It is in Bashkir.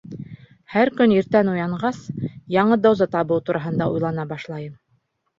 Һәр көн иртән уянғас, яңы доза табыу тураһында уйлана башлайым.